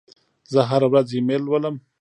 زه هره ورځ ایمیل لولم.